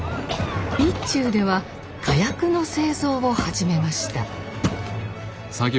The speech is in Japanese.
備中では火薬の製造を始めました。